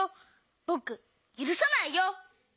ぼくゆるさないよ！